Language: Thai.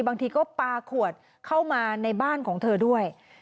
บางทีก็ปลาขวดเข้ามาในบ้านของเธอด้วย